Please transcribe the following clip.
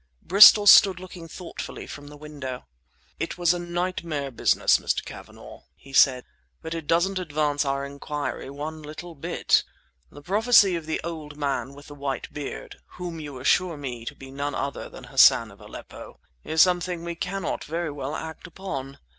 Bristol stood looking thoughtfully from the window. "It was a nightmare business, Mr. Cavanagh," he said; "but it doesn't advance our inquiry a little bit. The prophecy of the old man with the white beard—whom you assure me to be none other than Hassan of Aleppo—is something we cannot very well act upon.